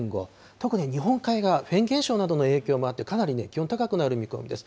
特に日本海側、フェーン現象などの影響もあって、かなり気温高くなる見込みです。